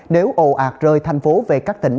nếu ồ ạt rơi thành phố về các tỉnh